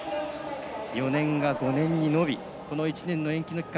４年が５年に延びこの１年の延期期間